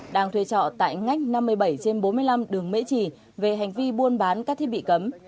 đang thuê trọ tại ngách năm mươi bảy trên bốn mươi năm đường mễ trì về hành vi buôn bán các thiết bị cấm